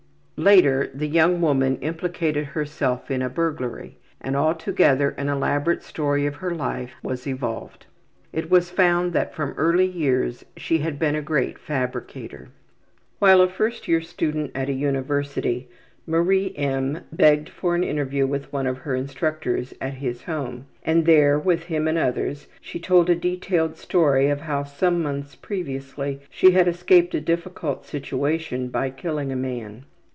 Later, the young woman implicated herself in a burglary, and altogether an elaborate story of her life was evolved. It was found that from early years she had been a great fabricator. While a first year student at a university Marie M. begged for an interview with one of her instructors at his home and there, with him and others, she told a detailed story of how some months previously she had escaped a difficult situation by killing a man.